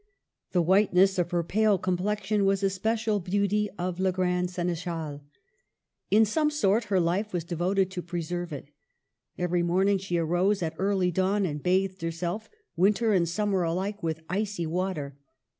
The whiteness of her pale complexion was a special beauty of la grande Seneschale. In some sort, her life was devoted to preserve it Every morning she arose at early dawn, and bathed herself, winter and summer alike, with icy water.